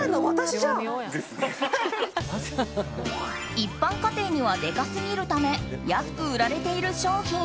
一般家庭にはデカすぎるため安く売られている商品。